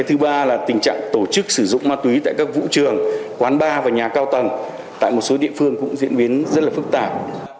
thứ ba là tình trạng tổ chức sử dụng ma túy tại các vũ trường quán bar và nhà cao tầng tại một số địa phương cũng diễn biến rất là phức tạp